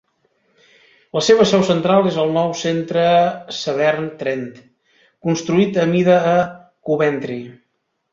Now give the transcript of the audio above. La seva seu central és el nou "Centre Severn Trent" construït a mida a Coventry.